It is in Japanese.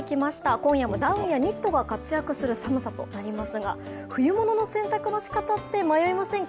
今夜もダウンやニットが活躍する寒さとなりますが冬物の洗濯の仕方って迷いませんか？